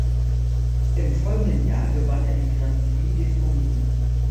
Im folgenden Jahr gewann er den Grand Prix de Fourmies.